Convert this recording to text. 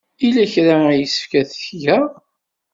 Yella kra ay yessefk ad t-geɣ?